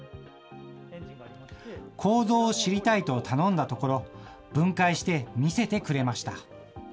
構造を知りたいと頼んだところ、分解して見せてくれました。